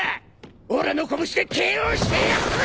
俺の拳でＫＯしてやるぜ！